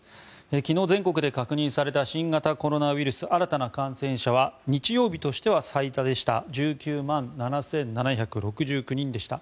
昨日、全国で確認された新型コロナウイルス新たな感染者は日曜日としては最多でした。